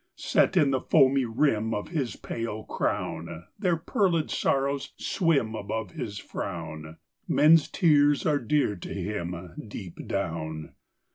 Set in the foamy rim Of his pale crown, Their pearléd sorrows swim Above his frown. Men's tears are dear to him, Deep down.